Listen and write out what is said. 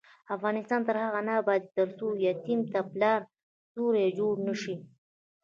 افغانستان تر هغو نه ابادیږي، ترڅو یتیم ته د پلار سیوری جوړ نشي.